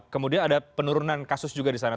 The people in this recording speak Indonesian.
kemudian ada penurunan kasus juga di sana